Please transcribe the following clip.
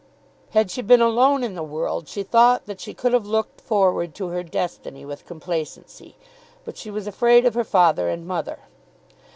Had she been alone in the world she thought that she could have looked forward to her destiny with complacency; but she was afraid of her father and mother.